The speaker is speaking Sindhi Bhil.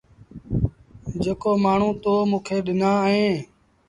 جيڪو مآڻهوٚٚ تو موٚنٚ کي ڏنآ اهينٚ